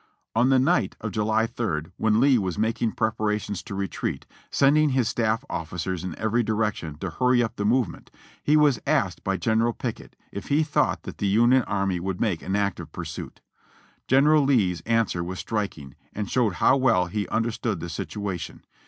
On the night of July 3rd, when Lee was making preparations to retreat, sending his staf¥ officers in every direction to hurry up the movement, he was asked by General Pickett if he thought the L^nion army would make an active pursuit. General Lee's answer was striking, and showed how well he understood the situ ation.